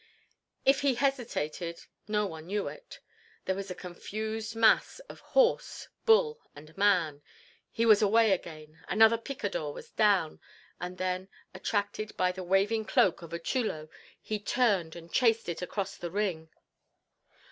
If he hesitated no one knew it. There was a confused mass of horse, bull and man, he was away again, another picador was down, and then attracted by the waving cloak of a chulo he turned and chased it across the ring.